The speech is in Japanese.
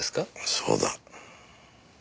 そうだ。